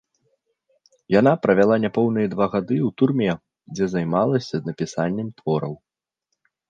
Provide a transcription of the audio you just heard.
Яна правяла няпоўныя два гады ў турме, дзе займалася напісаннем твораў.